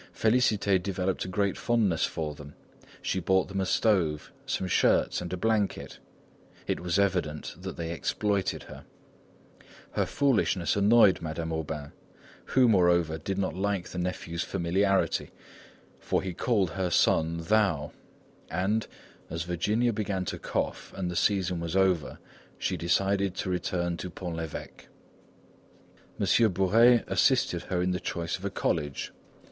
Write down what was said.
Félicité developed a great fondness for them; she bought them a stove, some shirts and a blanket; it was evident that they exploited her. Her foolishness annoyed Madame Aubain, who, moreover did not like the nephew's familiarity, for he called her son "thou"; and, as Virginia began to cough and the season was over, she decided to return to Pont l'Evêque. Monsieur Bourais assisted her in the choice of a college.